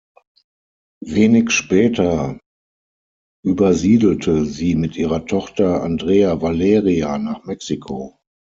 Wenig später übersiedelte sie mit ihrer Tochter Andrea Valeria nach Mexiko.